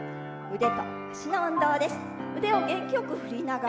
腕と脚の運動です。